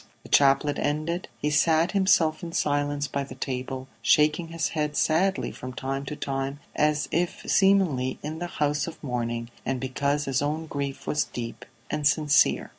The chaplet ended, he sat himself in silence by the table, shaking his head sadly from time to time as is seemly in the house of mourning, and because his own grief was deep and sincere.